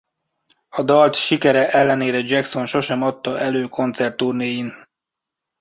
A dalt sikere ellenére Jackson sosem adta elő koncertturnéin.